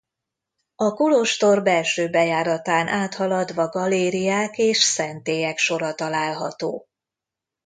A kolostor belső bejáratán áthaladva galériák és szentélyek sora található.